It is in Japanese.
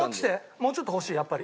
もうちょっと欲しいやっぱり。